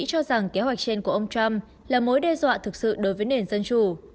mỹ cho rằng kế hoạch trên của ông trump là mối đe dọa thực sự đối với nền dân chủ